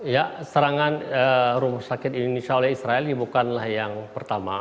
ya serangan rumah sakit indonesia oleh israel ini bukanlah yang pertama